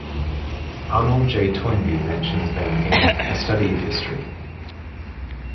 Arnold J. Toynbee mentions them in "A Study of History".